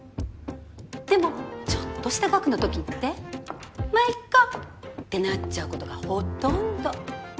でもちょっとした額のときってまっいっかってなっちゃうことがほとんど。